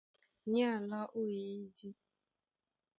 Ní alá ó eyídí.